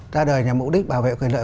ra đời nhằm mục đích bảo vệ quyền lợi